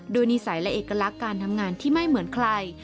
นิสัยและเอกลักษณ์การทำงานที่ไม่เหมือนใคร